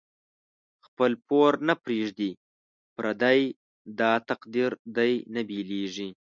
خپل پور نه پریږدی پردی، داتقدیر دی نه بیلیږی